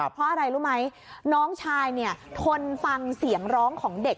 เพราะอะไรรู้ไหมน้องชายเนี่ยทนฟังเสียงร้องของเด็ก